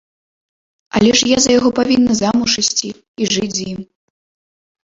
Але ж я за яго павінна замуж ісці і жыць з ім.